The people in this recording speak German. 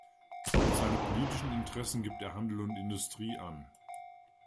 Als seine politischen Interessen gibt er Handel und Industrie an.